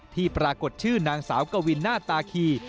ที่ปรากฏชื่อนางสาวกวินหน้าตาคี